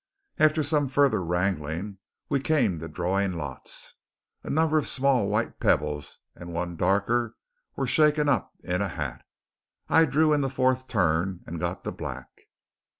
After some further wrangling we came to drawing lots. A number of small white pebbles and one darker were shaken up in a hat. I drew in the fourth turn, and got the black!